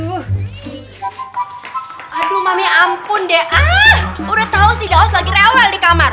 ya ampun deh ah udah tau si daos lagi rewel di kamar